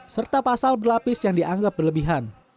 serta pasal berlapis yang dianggap berlebihan